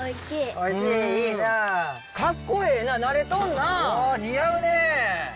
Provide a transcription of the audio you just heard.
お似合うね。